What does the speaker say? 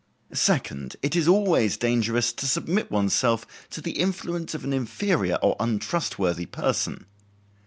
Second, it is always dangerous to submit oneself to the influence of an inferior or untrustworthy person.